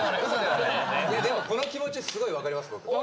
でもこの気持ちすごい分かります僕。